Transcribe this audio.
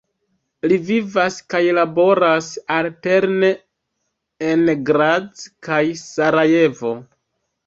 Li vivas kaj laboras alterne en Graz kaj Sarajevo.